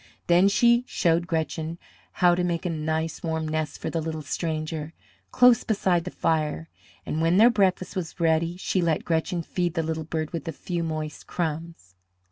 Then she showed Gretchen how to make a nice warm nest for the little stranger, close beside the fire, and when their breakfast was ready she let Gretchen feed the little bird with a few moist crumbs.